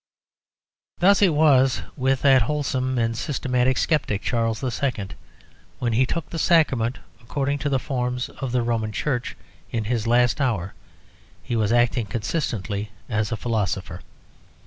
Thus it was with that wholesome and systematic sceptic, Charles II. When he took the Sacrament according to the forms of the Roman Church in his last hour he was acting consistently as a philosopher.